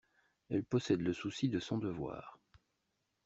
Elle possède le souci de son devoir.